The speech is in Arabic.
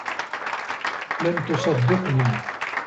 لم تصدّقني.